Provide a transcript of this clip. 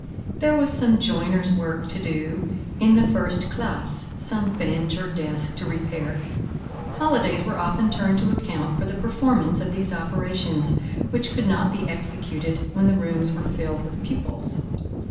There was some joiners' work to do in the first classe, some bench or desk to repair; holidays were often turned to account for the performance of these operations, which could not be executed when the rooms were filled with pupils.